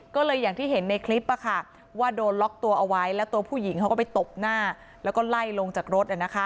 ก็เลยอย่างที่เห็นในคลิปว่าโดนล็อกตัวเอาไว้แล้วตัวผู้หญิงเขาก็ไปตบหน้าแล้วก็ไล่ลงจากรถ